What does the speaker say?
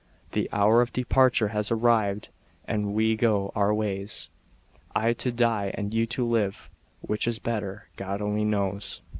The hour of departure has arrived and we go our ways I to 1 die and you to live. Which is better, God only knows."